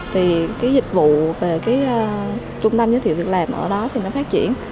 thì cái dịch vụ về cái trung tâm dịch vụ việc làm ở đó thì nó phát triển